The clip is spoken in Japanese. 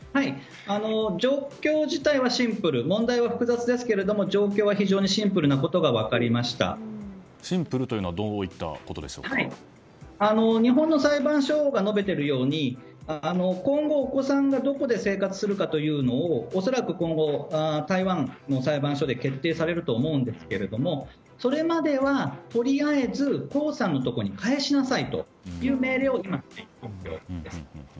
状況自体はシンプルで問題は複雑ですけれども状況は非常にシンプルなことがシンプルというのは日本の裁判所が述べているように今後、お子さんがどこで生活するかというのを恐らく今後、台湾の裁判所で決定されると思うんですがそれまではとりあえず江さんのところに返しなさいという命令を出したわけです。